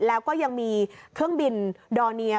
แล้วก็ยังมีเครื่องบินดอร์เนีย